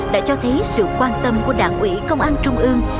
đã cho thấy sự quan tâm của đảng ủy công an trung ương